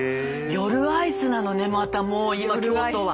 夜アイスなのねまたもう今京都は。